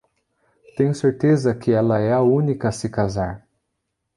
Tenho certeza que ela é a única a se casar.